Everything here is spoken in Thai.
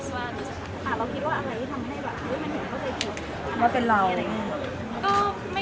ว่าเป็นเรา